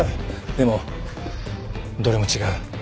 でもどれも違う。